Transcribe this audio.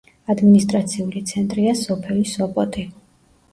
ადმინისტრაციული ცენტრია სოფელი სოპოტი.